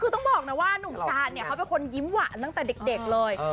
คือต้องบอกนะว่าหนุ่มการเนี่ยเขาเป็นคนยิ้มหวานตั้งแต่เด็กเลย